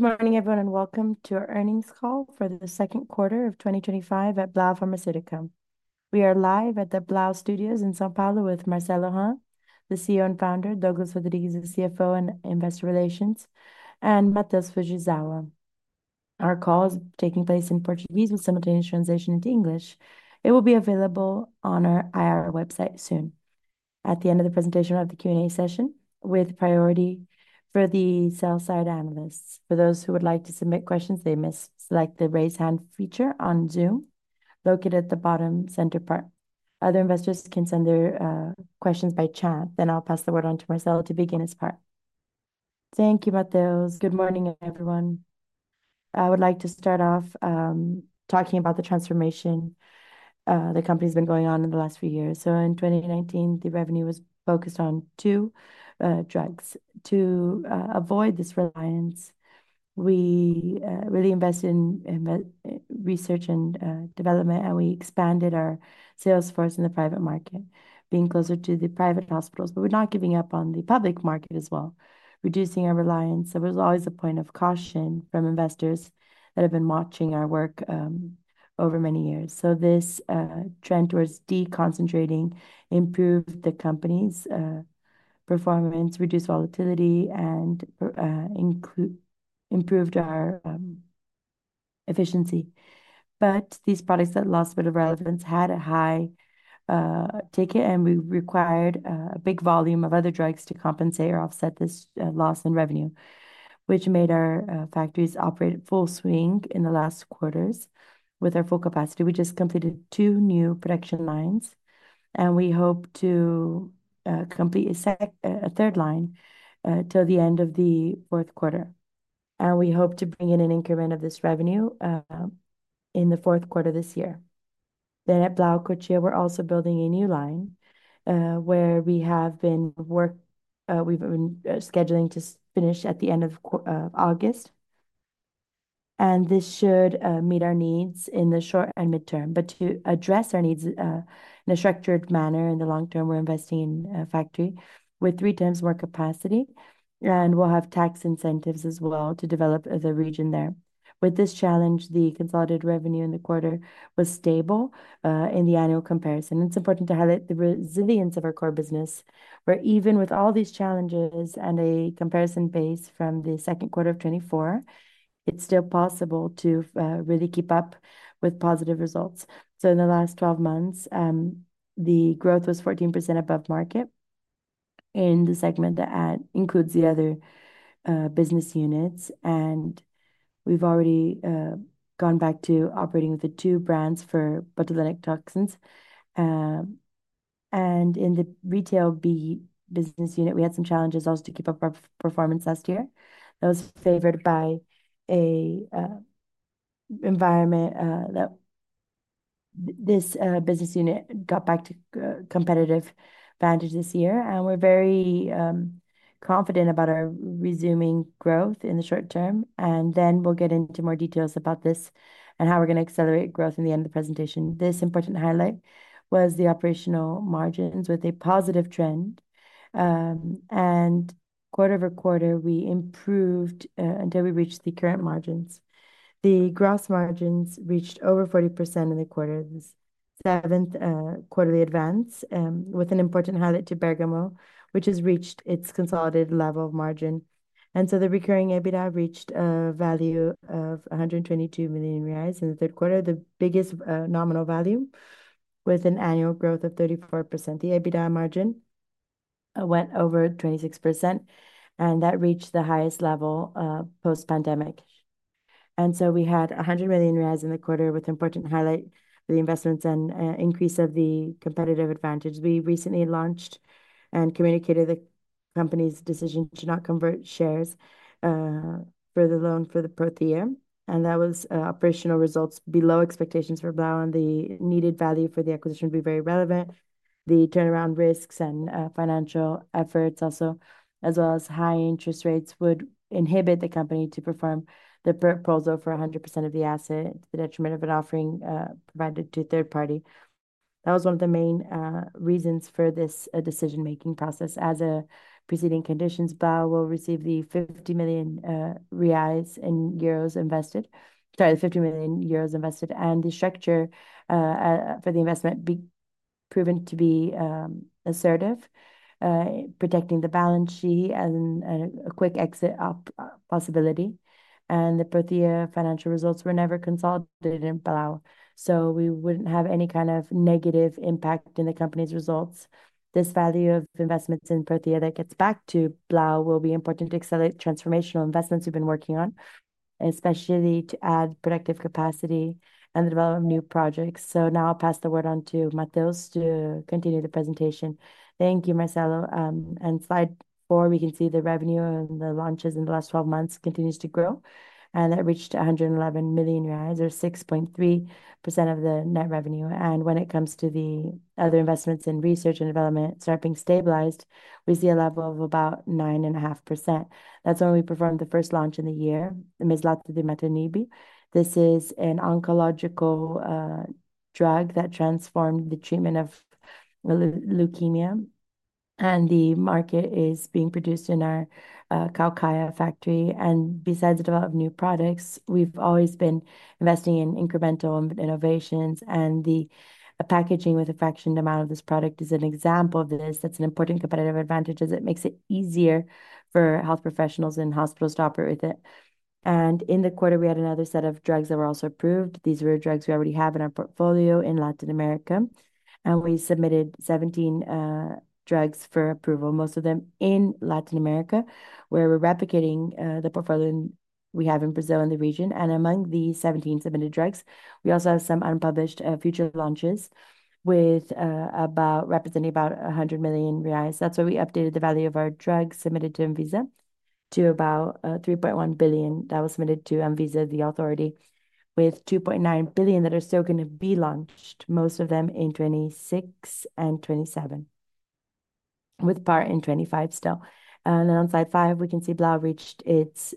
Good morning, everyone, and welcome to our earnings call for the second quarter of 2025 at Blau Farmacêutica. We are live at the Blau Studios in São Paulo with Marcelo Hahn, the CEO and founder, Douglas Rodrigues, the CFO and Investor Relations, and Matheus Fujisawa. Our call is taking place in Portuguese with simultaneous translation into English. It will be available on our IR website soon. At the end of the presentation, we'll have the Q&A session with priority for the sell-side analysts. For those who would like to submit questions, they must select the raise hand feature on Zoom, located at the bottom center part. Other investors can send their questions by chat, and I'll pass the word on to Marcelo to begin his part. Thank you, Matheus. Good morning, everyone. I would like to start off talking about the transformation the company's been going on in the last few years. In 2019, the revenue was focused on two drugs. To avoid this reliance, we really invested in research and development, and we expanded our sales force in the private market, being closer to the private hospitals. We're not giving up on the public market as well, reducing our reliance. There's always a point of caution from investors that have been watching our work over many years. This trend towards deconcentrating improved the company's performance, reduced volatility, and improved our efficiency. These products that lost a bit of relevance had a high ticket, and we required a big volume of other drugs to compensate or offset this loss in revenue, which made our factories operate at full swing in the last quarters. With our full capacity, we just completed two new production lines, and we hope to complete a third line till the end of the fourth quarter. We hope to bring in an increment of this revenue in the fourth quarter this year. At Blau Cotia, we're also building a new line where we have been working, we've been scheduling to finish at the end of August, and this should meet our needs in the short and mid-term. To address our needs in a structured manner in the long term, we're investing in a factory with 3x more capacity, and we'll have tax incentives as well to develop the region there. With this challenge, the consolidated revenue in the quarter was stable in the annual comparison. It's important to highlight the resilience of our core business, where even with all these challenges and a comparison pace from the second quarter of 2024, it's still possible to really keep up with positive results. In the last 12 months, the growth was 14% above market in the segment that includes the other business units, and we've already gone back to operating with the two brands for botulinic toxins. In the retail B business unit, we had some challenges also to keep up our performance last year. That was favored by an environment that this business unit got back to a competitive advantage this year. We're very confident about our resuming growth in the short term. We'll get into more details about this and how we're going to accelerate growth in the end of the presentation. This important highlight was the operational margins with a positive trend. Quarter-over-quarter, we improved until we reached the current margins. The gross margins reached over 40% in the quarter. This is the seventh quarterly advance, with an important highlight to Bergamo, which has reached its consolidated level of margin. The recurring EBITDA reached a value of 122 million reais in the third quarter, the biggest nominal value, with an annual growth of 34%. The EBITDA margin went over 26%, and that reached the highest level post-pandemic. We had 100 million reais in the quarter, with an important highlight for the investments and increase of the competitive advantage. We recently launched and communicated the company's decision to not convert shares for the loan for the Prothya, and that was operational results below expectations for Blau. The needed value for the acquisition would be very relevant. The turnaround risks and financial efforts also, as well as high interest rates, would inhibit the company to perform the proposal for 100% of the asset to the detriment of an offering provided to a third party. That was one of the main reasons for this decision-making process. As a preceding condition, Blau will receive the 50 million euros invested, and the structure for the investment proved to be assertive, protecting the balance sheet and a quick exit possibility. The Prothya financial results were never consolidated in Blau, so we wouldn't have any kind of negative impact in the company's results. This value of investments in Prothya that gets back to Blau will be important to accelerate transformational investments we've been working on, especially to add productive capacity and the development of new projects. I'll pass the word on to Matheus to continue the presentation. Thank you, Marcelo. On slide four, we can see the revenue and the launches in the last 12 months continue to grow, and that reached 111 million reais, or 6.3% of the net revenue. When it comes to the other investments in research and development start being stabilized, we see a level of about 9.5%. That's when we performed the first launch in the year, the Meslatidomide Nebi. This is an oncological drug that transformed the treatment of leukemia, and the market is being produced in our Cotia factory. Besides developing new products, we've always been investing in incremental innovations, and the packaging with a fraction amount of this product is an example of this. That's an important competitive advantage as it makes it easier for health professionals and hospitals to operate with it. In the quarter, we had another set of drugs that were also approved. These were drugs we already have in our portfolio in Latin America, and we submitted 17 drugs for approval, most of them in Latin America, where we're replicating the portfolio we have in Brazil and the region. Among the 17 submitted drugs, we also have some unpublished future launches representing about 100 million reais. That's where we updated the value of our drugs submitted to ANVISA to about 3.1 billion. That was submitted to ANVISA, the authority, with 2.9 billion that are still going to be launched, most of them in 2026 and 2027, with part in 2025 still. On slide five, we can see Blau reached its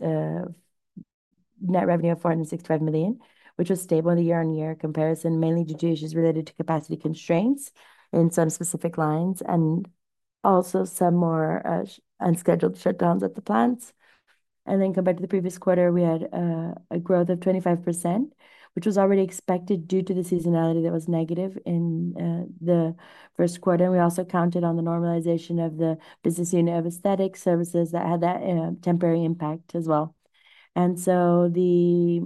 net revenue of 465 million, which was stable in the year-on-year comparison, mainly due to issues related to capacity constraints in some specific lines and also some more unscheduled shutdowns at the plants. Compared to the previous quarter, we had a growth of 25%, which was already expected due to the seasonality that was negative in the first quarter. We also counted on the normalization of the business unit of aesthetic services that had that temporary impact as well. The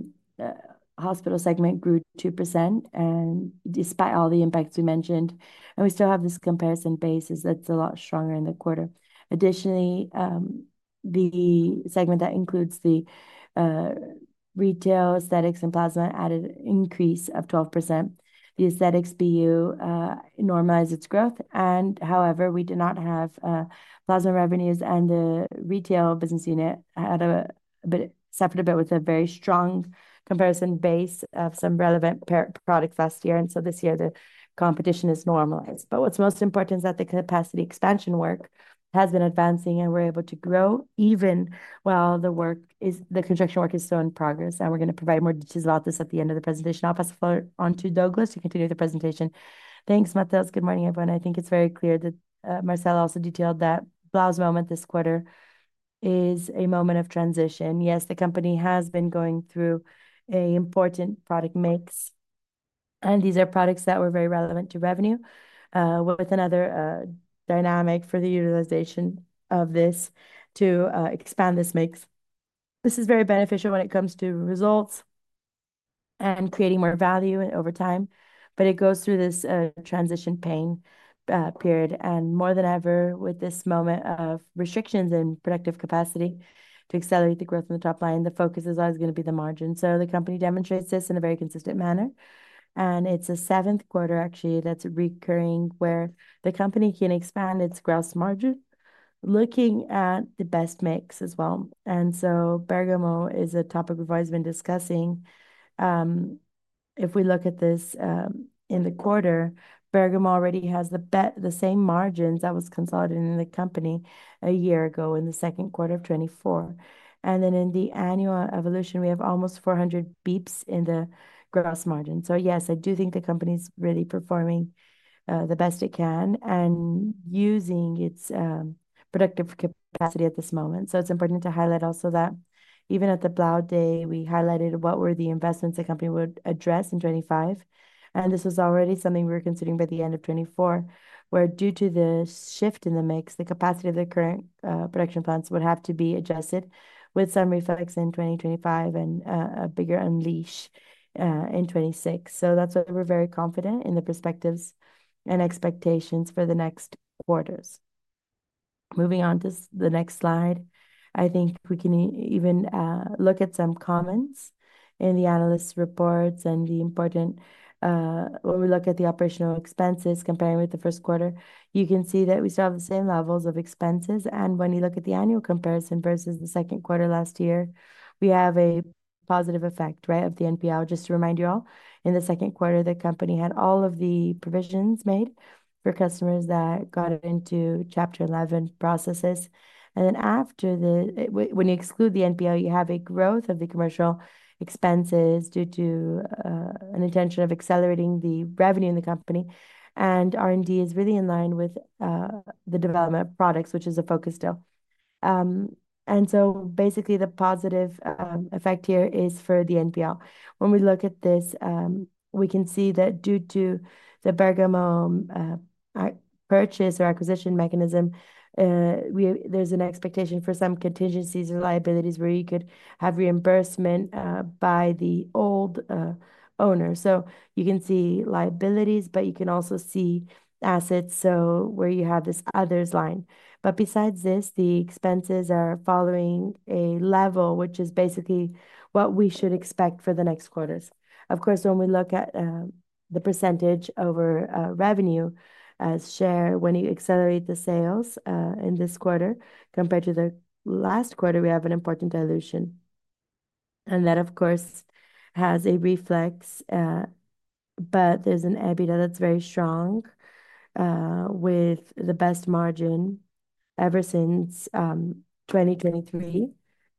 hospital segment grew 2%, and despite all the impacts we mentioned, we still have this comparison pace that's a lot stronger in the quarter. Additionally, the segment that includes the retail, aesthetics, and plasma had an increase of 12%. The aesthetics BU normalized its growth. However, we did not have plasma revenues, and the retail business unit suffered a bit with a very strong comparison base of some relevant product last year. This year, the competition has normalized. What's most important is that the capacity expansion work has been advancing, and we're able to grow even while the construction work is still in progress. We're going to provide more details about this at the end of the presentation. I'll pass the floor on to Douglas to continue the presentation. Thanks, Matheus. Good morning, everyone. I think it's very clear that Marcelo also detailed that Blau's moment this quarter is a moment of transition. Yes, the company has been going through an important product mix, and these are products that were very relevant to revenue, with another dynamic for the utilization of this to expand this mix. This is very beneficial when it comes to results and creating more value over time, but it goes through this transition pain period. More than ever, with this moment of restrictions in productive capacity to accelerate the growth in the top line, the focus is always going to be the margins. The company demonstrates this in a very consistent manner. It's the seventh quarter, actually, that's recurring where the company can expand its gross margin, looking at the best mix as well. Bergamo is a topic we've always been discussing. If we look at this in the quarter, Bergamo already has the same margins that were consolidated in the company a year ago in the second quarter of 2024. In the annual evolution, we have almost 400 bps in the gross margins. Yes, I do think the company is really performing the best it can and using its productive capacity at this moment. It's important to highlight also that even at the Blau Day, we highlighted what were the investments the company would address in 2025. This was already something we were considering by the end of 2024, where due to the shift in the mix, the capacity of the current production plants would have to be adjusted with some reflex in 2025 and a bigger unleash in 2026. That's why we're very confident in the perspectives and expectations for the next quarters. Moving on to the next slide, I think we can even look at some comments in the analyst reports and the important, when we look at the operational expenses comparing with the first quarter, you can see that we still have the same levels of expenses. When you look at the annual comparison versus the second quarter last year, we have a positive effect, right, of the NPL. Just to remind you all, in the second quarter, the company had all of the provisions made for customers that got into chapter 11 processes. After the, when you exclude the NPL, you have a growth of the commercial expenses due to an intention of accelerating the revenue in the company. R&D is really in line with the development of products, which is a focus still. Basically, the positive effect here is for the NPL. When we look at this, we can see that due to the Bergamo purchase or acquisition mechanism, there's an expectation for some contingencies or liabilities where you could have reimbursement by the old owner. You can see liabilities, but you can also see assets, so where you have this others line. Besides this, the expenses are following a level, which is basically what we should expect for the next quarters. Of course, when we look at the percentage over revenue as share, when you accelerate the sales in this quarter compared to the last quarter, we have an important dilution. That, of course, has a reflex, but there's an EBITDA that's very strong with the best margin ever since 2023,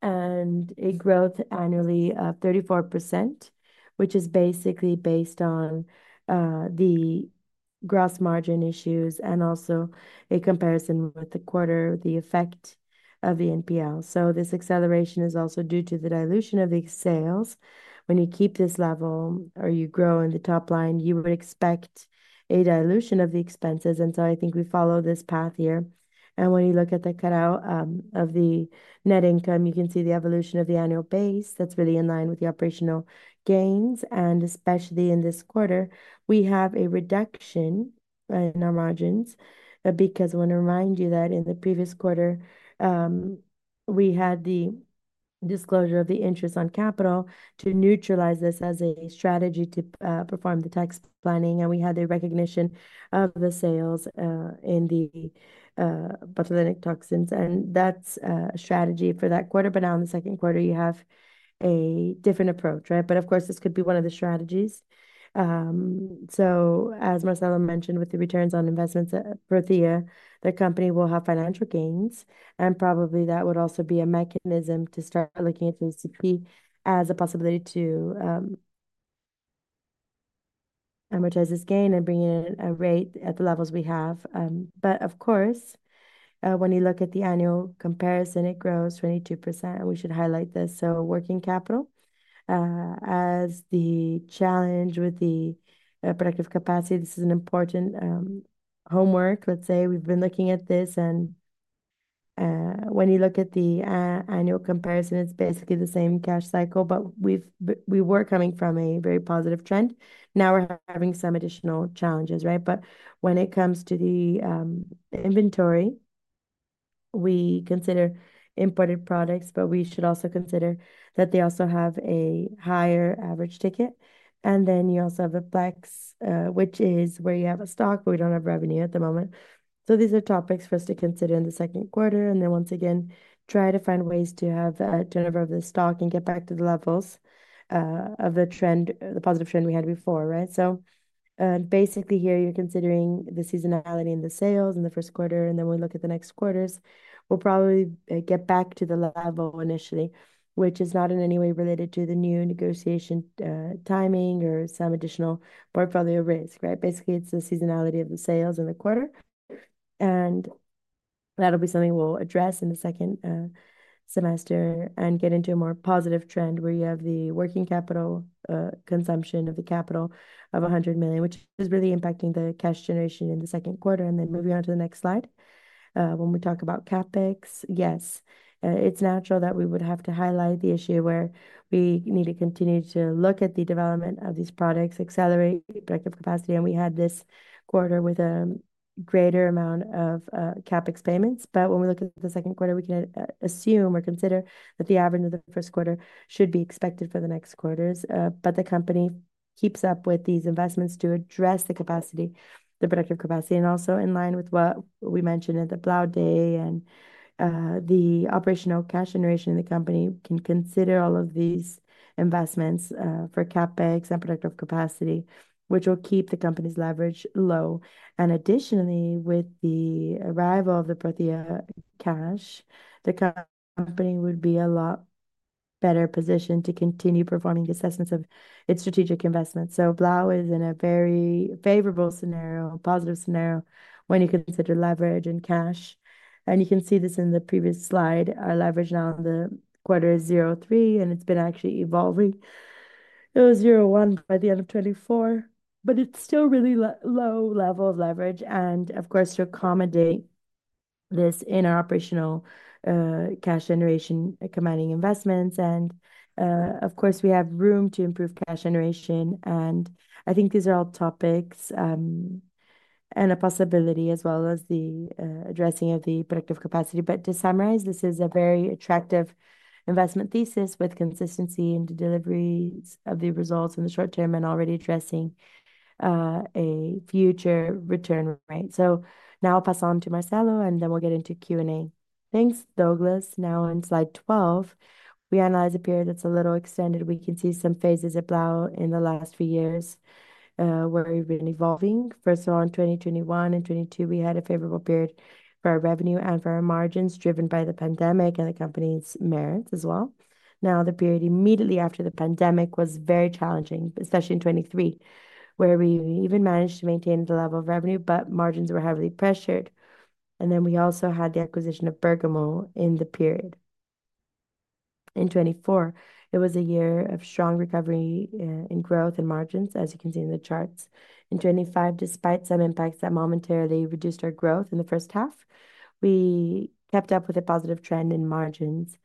and a growth annually of 34%, which is basically based on the gross margin issues and also a comparison with the quarter, the effect of the NPL. This acceleration is also due to the dilution of the sales. When you keep this level or you grow in the top line, you would expect a dilution of the expenses. I think we follow this path here. When you look at the cutout of the net income, you can see the evolution of the annual base. That's really in line with the operational gains. Especially in this quarter, we have a reduction in our margins, but because I want to remind you that in the previous quarter, we had the disclosure of the interest on capital to neutralize this as a strategy to perform the tax planning. We had the recognition of the sales in the botulinic toxins. That's a strategy for that quarter. Now in the second quarter, you have a different approach, right? Of course, this could be one of the strategies. As Marcelo mentioned, with the returns on investments at Prothya, the company will have financial gains. Probably that would also be a mechanism to start looking at the CCP as a possibility to amortize this gain and bring in a rate at the levels we have. Of course, when you look at the annual comparison, it grows 22%. We should highlight this. Working capital, as the challenge with the productive capacity, this is an important homework. We've been looking at this. When you look at the annual comparison, it's basically the same cash cycle, but we were coming from a very positive trend. Now we're having some additional challenges, right? When it comes to the inventory, we consider imported products, but we should also consider that they also have a higher average ticket. You also have a Plex, which is where you have a stock where we don't have revenue at the moment. These are topics for us to consider in the second quarter. Once again, try to find ways to have a turnover of the stock and get back to the levels of the trend, the positive trend we had before, right? Basically here, you're considering the seasonality in the sales in the first quarter. When we look at the next quarters, we'll probably get back to the level initially, which is not in any way related to the new negotiation timing or some additional portfolio risk, right? Basically, it's the seasonality of the sales in the quarter. That'll be something we'll address in the second semester and get into a more positive trend where you have the working capital consumption of the capital of 100 million, which is really impacting the cash generation in the second quarter. Moving on to the next slide, when we talk about CapEx, yes, it's natural that we would have to highlight the issue where we need to continue to look at the development of these products, accelerate productive capacity. We had this quarter with a greater amount of CapEx payments. When we look at the second quarter, we can assume or consider that the average of the first quarter should be expected for the next quarters. The company keeps up with these investments to address the capacity, the productive capacity, and also in line with what we mentioned at the Blau Day. The operational cash generation in the company can consider all of these investments for CapEx and productive capacity, which will keep the company's leverage low. Additionally, with the arrival of the Prothya cash, the company would be a lot better positioned to continue performing the assessments of its strategic investments. Blau is in a very favorable scenario, a positive scenario when you consider leverage and cash. You can see this in the previous slide. Our leverage now in the quarter is 0.3, and it's been actually evolving. It was 0.1 by the end of 2024, but it's still a really low level of leverage. Of course, to accommodate this in our operational cash generation commanding investments. We have room to improve cash generation. I think these are all topics and a possibility, as well as the addressing of the productive capacity. To summarize, this is a very attractive investment thesis with consistency in the delivery of the results in the short term and already addressing a future return, right? Now I'll pass on to Marcelo, and then we'll get into Q&A. Thanks, Douglas. Now on slide 12, we analyze a period that's a little extended. We can see some phases of Blau in the last few years where we've been evolving. First of all, in 2021 and 2022, we had a favorable period for our revenue and for our margins, driven by the pandemic and the company's merits as well. The period immediately after the pandemic was very challenging, especially in 2023, where we even managed to maintain the level of revenue, but margins were heavily pressured. We also had the acquisition of Bergamo in the period. In 2024, it was a year of strong recovery in growth and margins, as you can see in the charts. In 2025, despite some impacts that momentarily reduced our growth in the first half, we kept up with a positive trend in margins.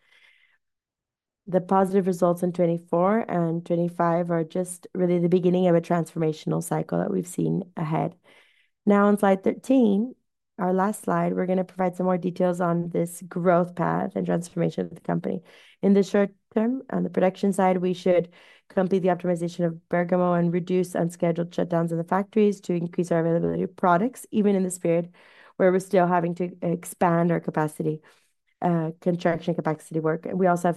The positive results in 2024 and 2025 are just really the beginning of a transformational cycle that we've seen ahead. Now, on slide 13, our last slide, we're going to provide some more details on this growth path and transformation of the company. In the short term, on the production side, we should complete the optimization of Bergamo and reduce unscheduled shutdowns in the factories to increase our availability of products, even in this period where we're still having to expand our capacity, construction capacity work. We also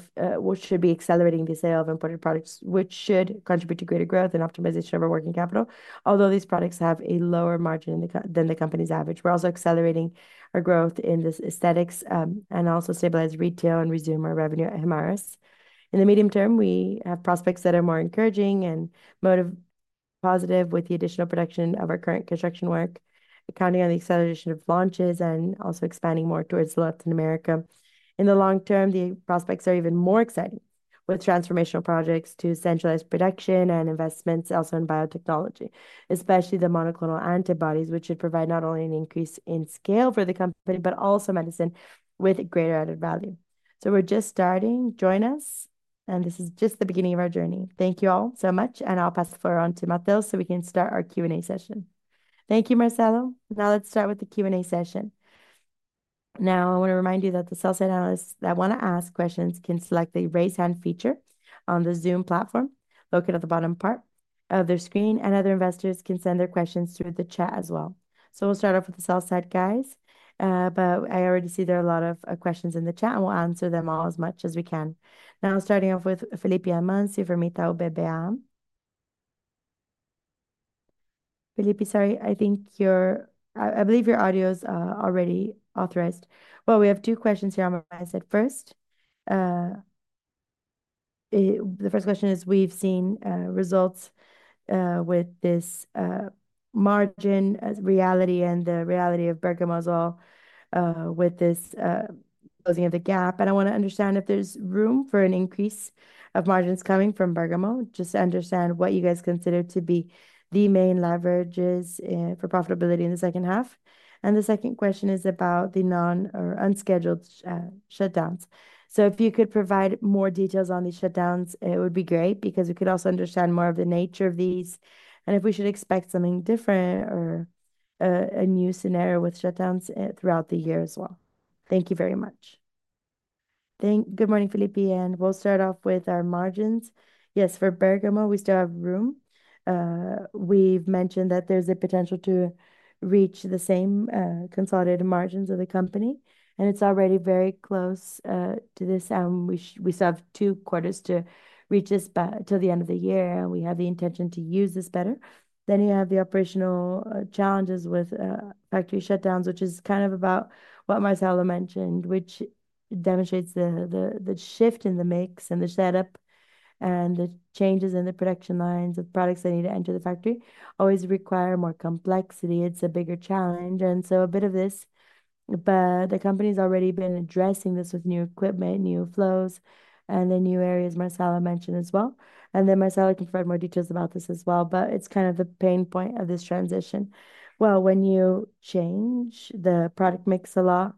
should be accelerating the sale of imported products, which should contribute to greater growth and optimization of our working capital, although these products have a lower margin than the company's average. We're also accelerating our growth in the aesthetics and also stabilize retail and resume our revenue at Hemarus. In the medium term, we have prospects that are more encouraging and more positive with the additional production of our current construction work, counting on the acceleration of launches and also expanding more towards Latin America. In the long term, the prospects are even more exciting with transformational projects to centralized production and investments also in biotechnology, especially the monoclonal antibodies, which should provide not only an increase in scale for the company, but also medicine with greater added value. We're just starting. Join us, and this is just the beginning of our journey. Thank you all so much, and I'll pass the floor on to Matheus so we can start our Q&A session. Thank you, Marcelo. Now let's start with the Q&A session. I want to remind you that the sell-side analysts that want to ask questions can select the raise hand feature on the Zoom platform located at the bottom part of their screen, and other investors can send their questions through the chat as well. We'll start off with the sell-side guys, but I already see there are a lot of questions in the chat, and we'll answer them all as much as we can. Now, starting off with Felipe Amancio from Itaú BBA. Felipe, sorry, I think your, I believe your audio is already authorized. We have two questions here on my side. First, the first question is we've seen results with this margin as reality and the reality of Bergamo as well with this closing of the gap. I want to understand if there's room for an increase of margins coming from Bergamo, just to understand what you guys consider to be the main leverages for profitability in the second half. The second question is about the non or unscheduled shutdowns. If you could provide more details on these shutdowns, it would be great because we could also understand more of the nature of these and if we should expect something different or a new scenario with shutdowns throughout the year as well. Thank you very much. Thank you. Good morning, Felipe. We'll start off with our margins. Yes, for Bergamo, we still have room. We've mentioned that there's a potential to reach the same consolidated margins of the company, and it's already very close to this. We still have two quarters to reach this to the end of the year, and we have the intention to use this better. You have the operational challenges with factory shutdowns, which is kind of about what Marcelo mentioned, which demonstrates the shift in the mix and the setup and the changes in the production lines of products that need to enter the factory always require more complexity. It's a bigger challenge. A bit of this, but the company's already been addressing this with new equipment, new flows, and the new areas Marcelo mentioned as well. Marcelo can provide more details about this as well, but it's kind of the pain point of this transition. When you change the product mix a lot,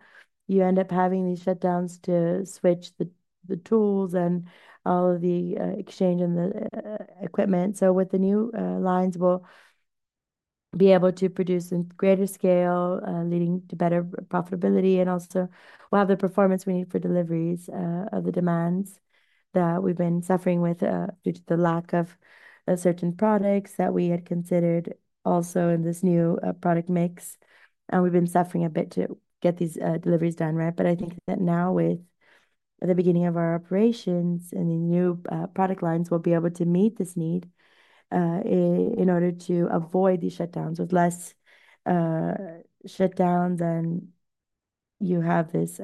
you end up having these shutdowns to switch the tools and all of the exchange and the equipment. With the new lines, we'll be able to produce in greater scale, leading to better profitability, and also we'll have the performance we need for deliveries of the demands that we've been suffering with due to the lack of certain products that we had considered also in this new product mix. We've been suffering a bit to get these deliveries done, right? I think that now with the beginning of our operations and the new product lines, we'll be able to meet this need in order to avoid these shutdowns with less shutdowns. You have this,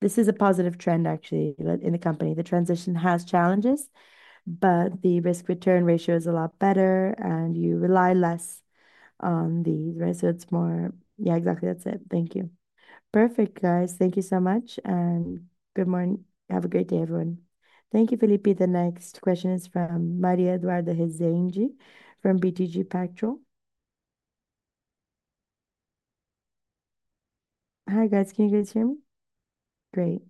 this is a positive trend actually in the company. The transition has challenges, but the risk-return ratio is a lot better, and you rely less on these, right? It's more, yeah, exactly, that's it. Thank you. Perfect, guys. Thank you so much. Good morning. Have a great day, everyone. Thank you, Felipe. The next question is from Maria Eduarda Resende from BTG Pactual. Hi, guys. Can you guys hear me? Great.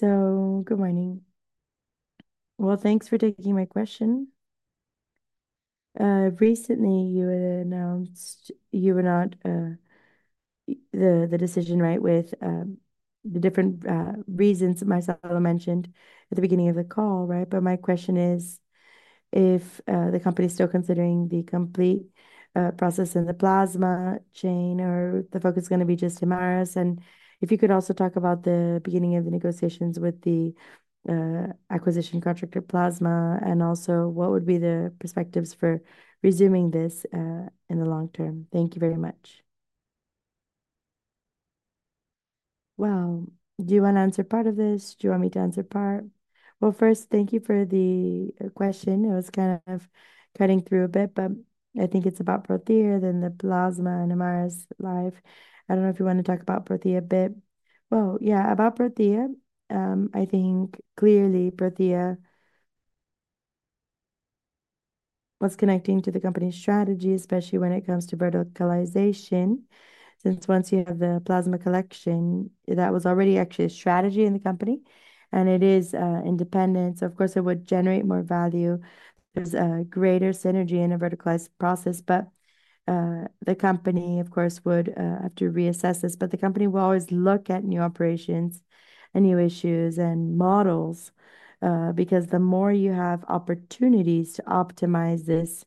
Good morning. Thanks for taking my question. Recently, you announced you were not the decision, right, with the different reasons Marcelo mentioned at the beginning of the call, right? My question is if the company is still considering the complete process in the plasma chain or the focus is going to be just Hemarus. If you could also talk about the beginning of the negotiations with the acquisition contractor Plasma and also what would be the perspectives for resuming this in the long term. Thank you very much. Do you want to answer part of this? Do you want me to answer part? First, thank you for the question. I was kind of cutting through a bit, but I think it's about Prothya, then the Plasma and Hemarus live. I don't know if you want to talk about Prothya a bit. Yeah, about Prothya, I think clearly Prothya was connecting to the company's strategy, especially when it comes to verticalization. Since once you have the plasma collection, that was already actually a strategy in the company, and it is independent. Of course, it would generate more value as a greater synergy in a verticalized process. The company, of course, would have to reassess this. The company will always look at new operations and new issues and models because the more you have opportunities to optimize this,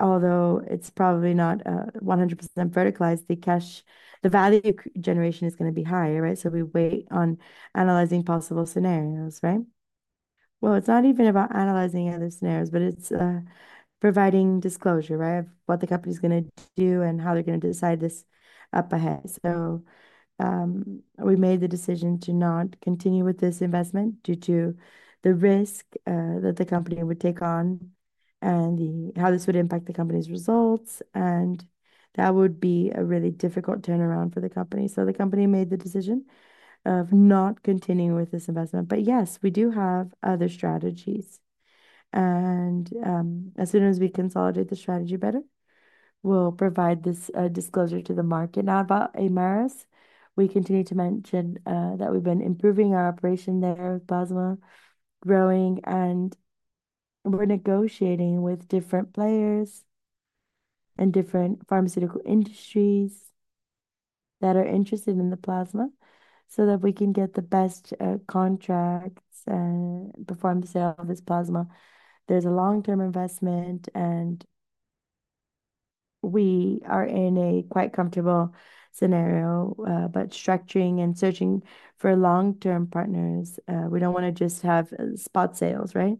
although it's probably not 100% verticalized, the cash, the value generation is going to be higher, right? We wait on analyzing possible scenarios, right? It's not even about analyzing other scenarios, but it's providing disclosure, right, of what the company is going to do and how they're going to decide this up ahead. We made the decision to not continue with this investment due to the risk that the company would take on and how this would impact the company's results. That would be a really difficult turnaround for the company. The company made the decision of not continuing with this investment. Yes, we do have other strategies. As soon as we consolidate the strategy better, we'll provide this disclosure to the market. Now about Hemarus. We continue to mention that we've been improving our operation there with Plasma, growing, and we're negotiating with different players and different pharmaceutical industries that are interested in the Plasma so that we can get the best contracts and perform the sale of this Plasma. There's a long-term investment, and we are in a quite comfortable scenario, but structuring and searching for long-term partners. We don't want to just have spot sales, right?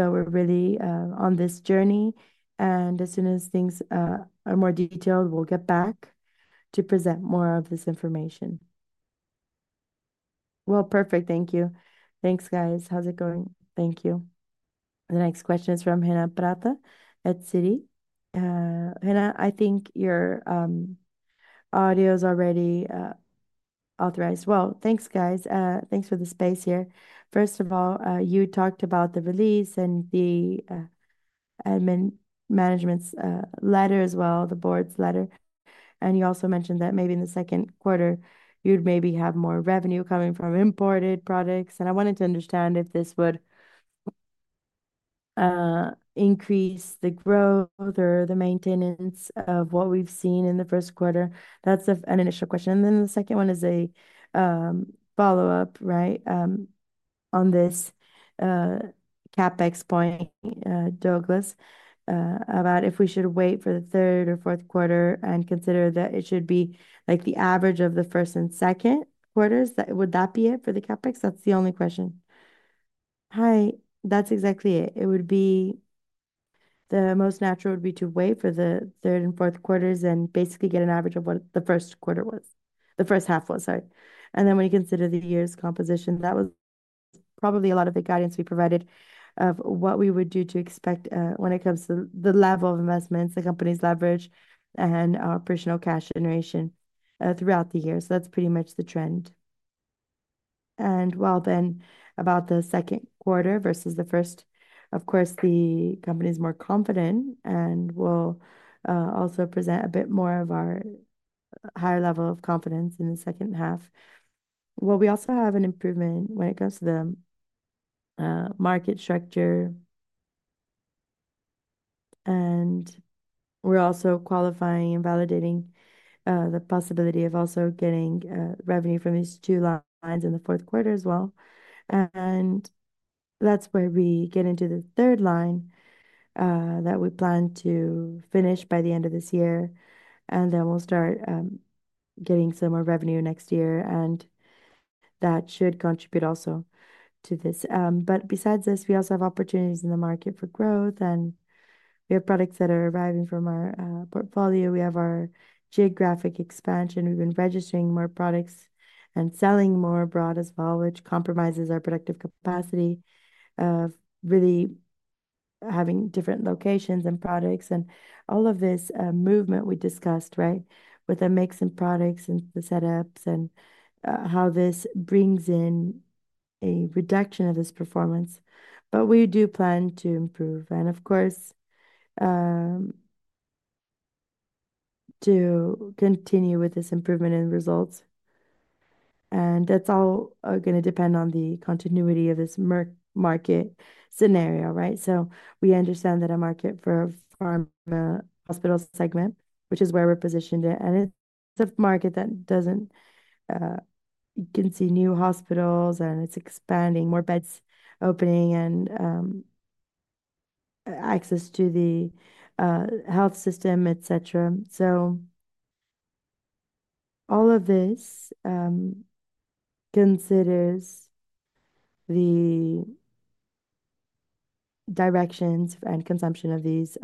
We're really on this journey. As soon as things are more detailed, we'll get back to present more of this information. Perfect. Thank you. Thanks, guys. How's it going? Thank you. The next question is from Hena Prata at Citi. Hena, I think your audio is already authorized. Thanks, guys. Thanks for the space here. First of all, you talked about the release and the admin management's letter as well, the board's letter. You also mentioned that maybe in the second quarter, you'd maybe have more revenue coming from imported products. I wanted to understand if this would increase the growth or the maintenance of what we've seen in the first quarter. That's an initial question. The second one is a follow-up on this CapEx point, Douglas, about if we should wait for the third or fourth quarter and consider that it should be like the average of the first and second quarters. Would that be it for the CapEx? That's the only question. Hi. That's exactly it. It would be most natural to wait for the third and fourth quarters and basically get an average of what the first half was. When you consider the year's composition, that was probably a lot of the guidance we provided of what we would do to expect when it comes to the level of investments, the company's leverage, and our operational cash generation throughout the year. That's pretty much the trend. Regarding the second quarter versus the first, the company's more confident and will also present a bit more of our higher level of confidence in the second half. We also have an improvement when it comes to the market structure, and we're also qualifying and validating the possibility of also getting revenue from these two lines in the fourth quarter as well. That's where we get into the third line that we plan to finish by the end of this year. We'll start getting some more revenue next year, and that should contribute also to this. Besides this, we also have opportunities in the market for growth, and we have products that are arriving from our portfolio. We have our geographic expansion. We've been registering more products and selling more abroad as well, which compromises our productive capacity of really having different locations and products. All of this movement we discussed, with the mix and products and the setups and how this brings in a reduction of this performance. We do plan to improve and to continue with this improvement in results. That's all going to depend on the continuity of this market scenario. We understand that a market for a pharma hospital segment, which is where we're positioned in, is a market that doesn't, you can see new hospitals and it's expanding, more beds opening and access to the health system, etc. All of this considers the directions and consumption of these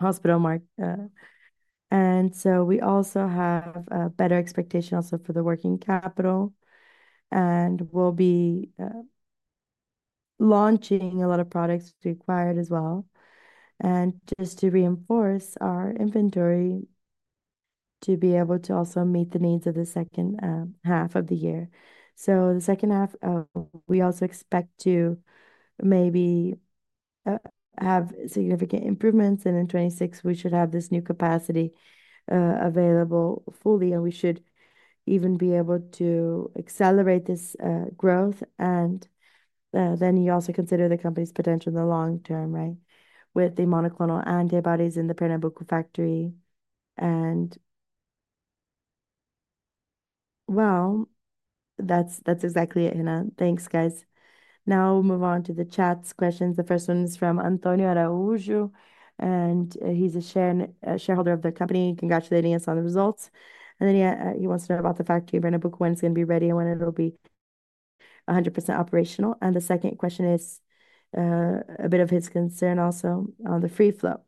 hospital markets. We also have a better expectation also for the working capital and will be launching a lot of products to be acquired as well. Just to reinforce our inventory to be able to also meet the needs of the second half of the year. The second half, we also expect to maybe have significant improvements. In 2026, we should have this new capacity available fully, and we should even be able to accelerate this growth. You also consider the company's potential in the long term, right, with the monoclonal antibodies in the Pernambuco factory. That's exactly it, Renan. Thanks, guys. Now we'll move on to the chat's questions. The first one is from Antonio Araújo, and he's a shareholder of the company congratulating us on the results. He wants to know about the factory in Pernambuco, when it's going to be ready and when it'll be 100% operational. The second question is a bit of his concern also on the free float.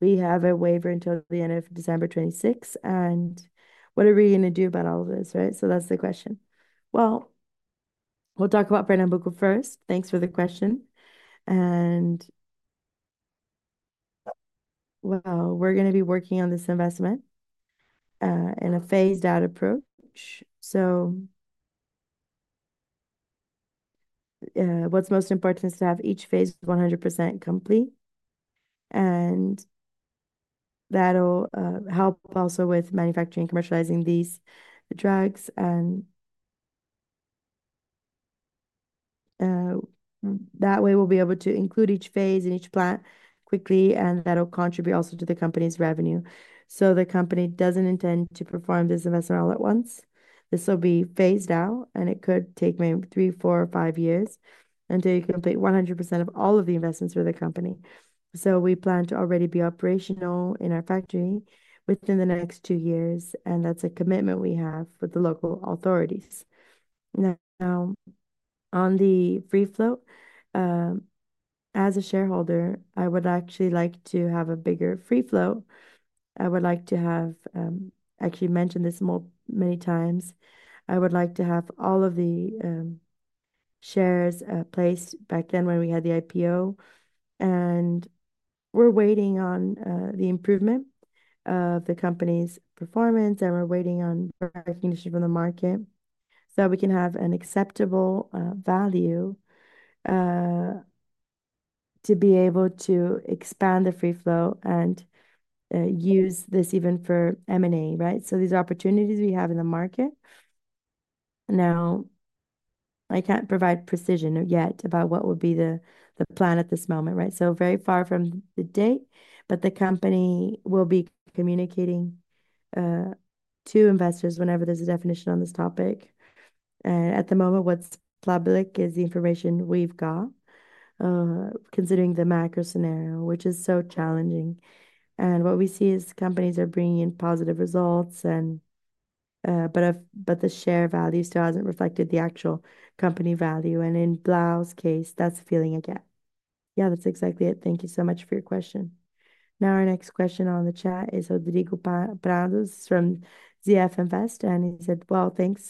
We have a waiver until the end of December 2026. What are we going to do about all of this, right? That's the question. We'll talk about Pernambuco first. Thanks for the question. We're going to be working on this investment in a phased-out approach. What's most important is to have each phase 100% complete. That'll help also with manufacturing and commercializing these drugs. That way, we'll be able to include each phase in each plan quickly, and that'll contribute also to the company's revenue. The company doesn't intend to perform this investment all at once. This will be phased out, and it could take maybe three, four, or five years until you can complete 100% of all of the investments for the company. We plan to already be operational in our factory within the next two years, and that's a commitment we have with the local authorities. Now, on the free float, as a shareholder, I would actually like to have a bigger free float. I would like to have, I actually mentioned this many times, I would like to have all of the shares placed back then when we had the IPO. We're waiting on the improvement of the company's performance, and we're waiting on recognition from the market so that we can have an acceptable value to be able to expand the free float and use this even for M&A, right? These are opportunities we have in the market. I can't provide precision yet about what would be the plan at this moment, right? Very far from the date, but the company will be communicating to investors whenever there's a definition on this topic. At the moment, what's public is the information we've got, considering the macro scenario, which is so challenging. What we see is companies are bringing in positive results, but the share value still hasn't reflected the actual company value. In Blau's case, that's the feeling I get. Yeah, that's exactly it. Thank you so much for your question. Our next question on the chat is from ZF Invest, and he said, thank you.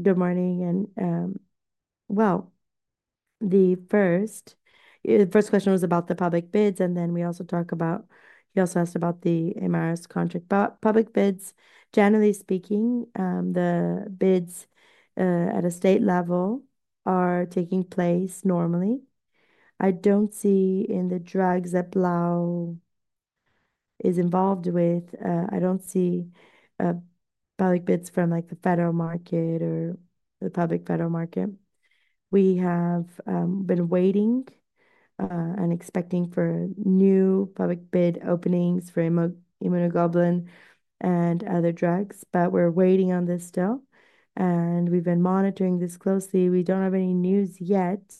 Good morning. The first question was about the public bids, and then we also talked about, he also asked about the Hemarus contract public bids. Generally speaking, the bids at a state level are taking place normally. I don't see in the drugs that Blau is involved with, I don't see public bids from the federal market or the public federal market. We have been waiting and expecting new public bid openings for immunoglobulin and other drugs, but we're waiting on this still. We've been monitoring this closely. We don't have any news yet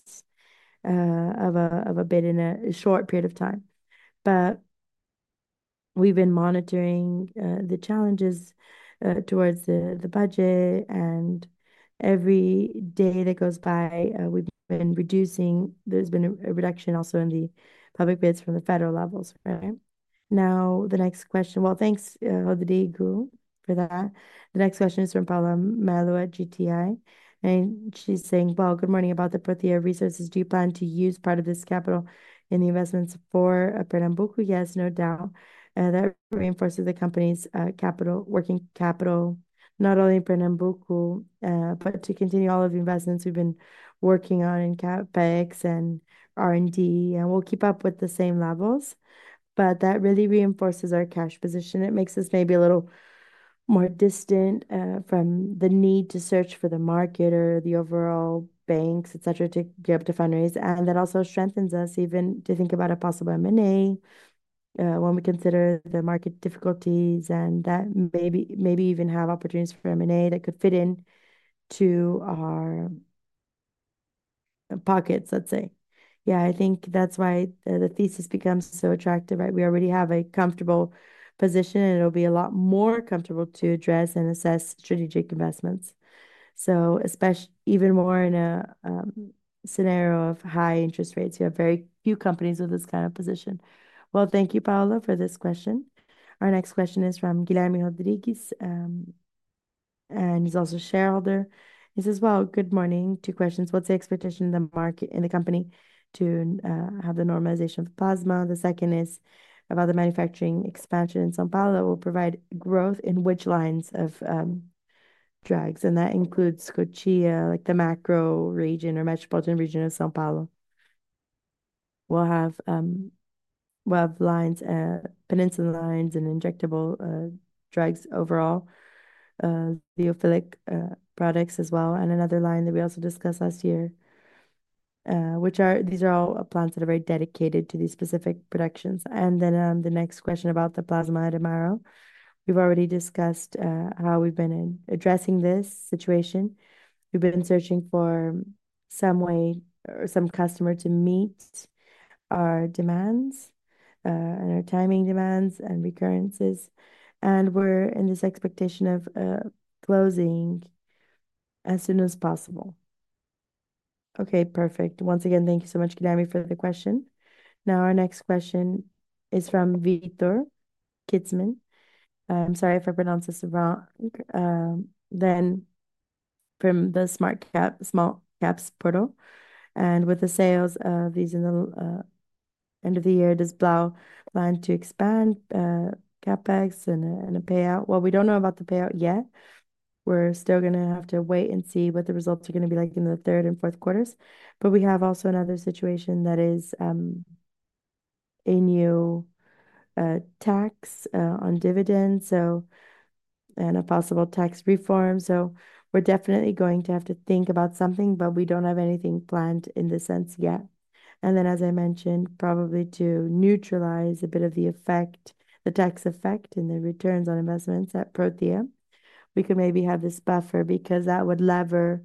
of a bid in a short period of time. We've been monitoring the challenges towards the budget, and every day that goes by, there's been a reduction also in the public bids from the federal levels, right? Thank you, Rodrigo, for that. The next question is from Paula Maloa GTI, and she's saying, good morning. About the Prothya resources, do you plan to use part of this capital in the investments for Pernambuco? Yes, no doubt. That reinforces the company's capital, working capital, not only in Pernambuco, but to continue all of the investments we've been working on in CapEx and R&D. We'll keep up with the same levels, but that really reinforces our cash position. It makes us maybe a little more distant from the need to search for the market or the overall banks, etc., to be able to fundraise. That also strengthens us even to think about a possible M&A when we consider the market difficulties and that maybe even have opportunities for M&A that could fit into our pockets, let's say. Yeah, I think that's why the thesis becomes so attractive, right? We already have a comfortable position, and it'll be a lot more comfortable to address and assess strategic investments. Especially even more in a scenario of high interest rates, you have very few companies with this kind of position. Thank you, Paula, for this question. Our next question is from Guilherme Rodrigues, and he's also a shareholder. He says, good morning. Two questions. What's the expectation in the market, in the company, to have the normalization of the plasma? The second is, about the manufacturing expansion in São Paulo, will provide growth in which lines of drugs? That includes Cotia, like the macro region or metropolitan region of São Paulo. We'll have lines, penicillin lines, and injectable drugs overall, lyophilized products as well, and another line that we also discussed last year, which are, these are all plants that are very dedicated to these specific productions. The next question about the plasma Hemarus. We've already discussed how we've been addressing this situation. We've been searching for some way or some customer to meet our demands and our timing demands and recurrences. We're in this expectation of closing as soon as possible. Okay, perfect. Once again, thank you so much, Guilherme, for the question. Now, our next question is from Vitor Kitzman. I'm sorry if I pronounced this wrong. From the Small Caps Portal. With the sales of these in the end of the year, does Blau plan to expand CapEx and a payout? We don't know about the payout yet. We're still going to have to wait and see what the results are going to be like in the third and fourth quarters. We have also another situation that is a new tax on dividends and a possible tax reform. We're definitely going to have to think about something, but we don't have anything planned in this sense yet. As I mentioned, probably to neutralize a bit of the effect, the tax effect in the returns on investments at Prothya, we could maybe have this buffer because that would lever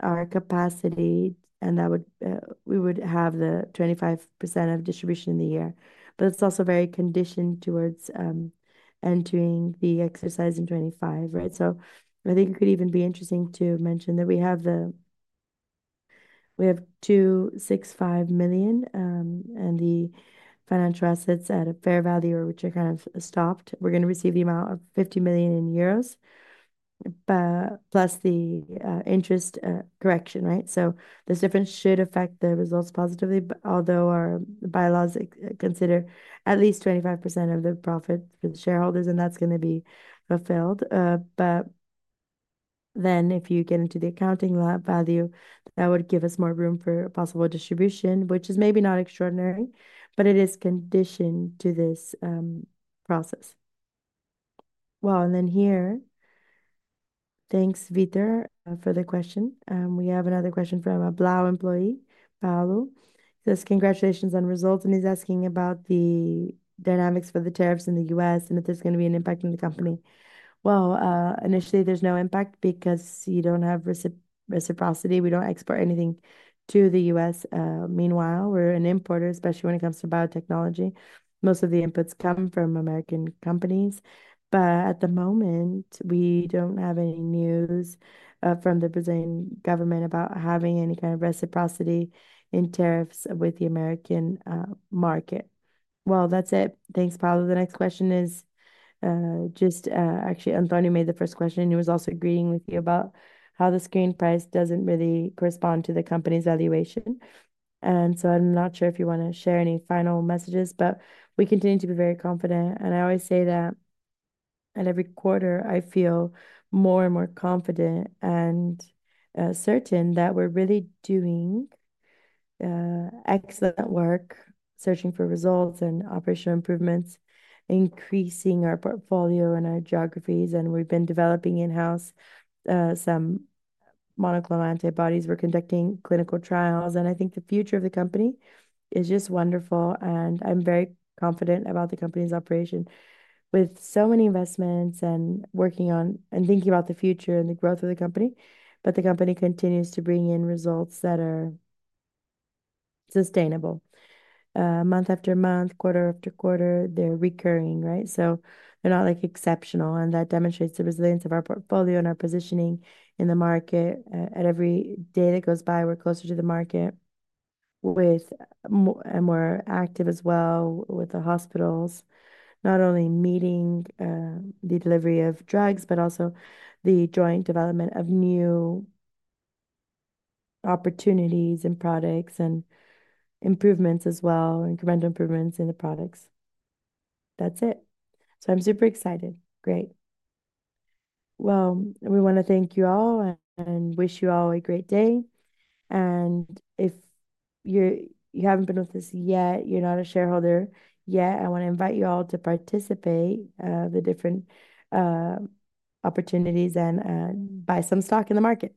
our capacity and that would, we would have the 25% of distribution in the year. It's also very conditioned towards entering the exercise in 2025, right? I think it could even be interesting to mention that we have the, we have 265 million in the financial assets at a fair value or which are kind of stopped. We're going to receive the amount of 50 million euros, plus the interest correction, right? This difference should affect the results positively, although our bylaws consider at least 25% of the profit for the shareholders, and that's going to be fulfilled. If you get into the accounting lab value, that would give us more room for possible distribution, which is maybe not extraordinary, but it is conditioned to this process. Thank you, Vitor, for the question. We have another question from a Blau employee, Paulo. He says, congratulations on results. He's asking about the dynamics for the tariffs in the U.S. and if there's going to be an impact on the company. Initially, there's no impact because you don't have reciprocity. We don't export anything to the U.S. Meanwhile, we're an importer, especially when it comes to biotechnology. Most of the inputs come from American companies. At the moment, we don't have any news from the Brazilian government about having any kind of reciprocity in tariffs with the American market. Well, that's it. Thank you, Paulo. The next question is actually Antonio made the first question. He was also agreeing with you about how the screen price doesn't really correspond to the company's valuation. I'm not sure if you want to share any final messages, but we continue to be very confident. I always say that at every quarter, I feel more and more confident and certain that we're really doing excellent work searching for results and operational improvements, increasing our portfolio and our geographies. We've been developing in-house some monoclonal antibodies. We're conducting clinical trials. I think the future of the company is just wonderful. I'm very confident about the company's operation with so many investments and working on and thinking about the future and the growth of the company. The company continues to bring in results that are sustainable. Month after month, quarter after quarter, they're recurring, right? They're not like exceptional. That demonstrates the resilience of our portfolio and our positioning in the market. At every day that goes by, we're closer to the market and we're active as well with the hospitals, not only meeting the delivery of drugs, but also the joint development of new opportunities and products and improvements as well, incremental improvements in the products. That's it. I'm super excited. Great. We want to thank you all and wish you all a great day. If you haven't been with us yet, you're not a shareholder yet, I want to invite you all to participate in the different opportunities and buy some stock in the market.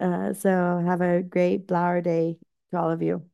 Have a great Blau day to all of you.